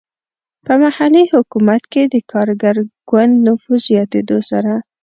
په محلي حکومت کې د کارګر ګوند نفوذ زیاتېدو سره.